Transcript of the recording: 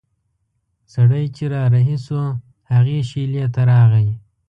سړی چې را رهي شو هغې شېلې ته راغی.